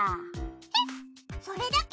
えっそれだけ？